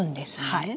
はい。